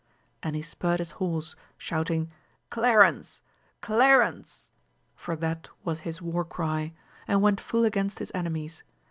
And he spurred his horse, shouting Clarence ! Cla rence ! for that was his war cry, and went full against his enemies.